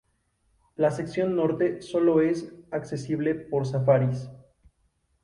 La sección norte sólo es accesible por safaris.